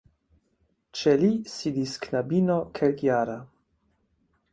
Ĉe li sidis knabino kelkjara.